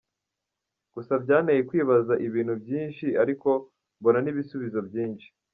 Gusa byanteye kwibaza ibintu byinshi ariko mbona n'ibisubizo byinshi.